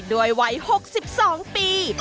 ด้วยวัย๖๒ปี